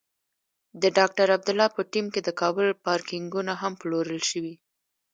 د ډاکټر عبدالله په ټیم کې د کابل پارکېنګونه هم پلورل شوي.